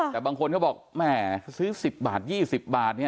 แต่บางคนก็บอกแหมซื้อ๑๐๒๐บาท